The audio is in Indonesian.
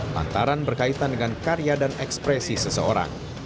lantaran berkaitan dengan karya dan ekspresi seseorang